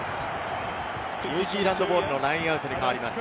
ニュージーランドボールのラインアウトに変わります。